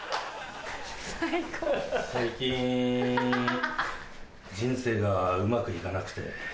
最近人生がうまくいかなくて。